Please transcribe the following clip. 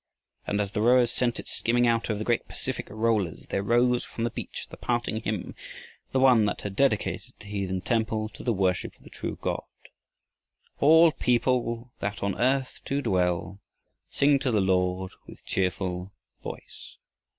And as the rowers sent it skimming out over the great Pacific rollers, there rose from the beach the parting hymn, the one that had dedicated the heathen temple to the worship of the true God: All people that on earth do dwell, Sing to the Lord with cheerful voice.